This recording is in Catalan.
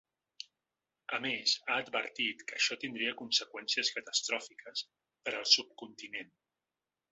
A més, ha advertit que això tindria ‘conseqüències catastròfiques per al subcontinent’.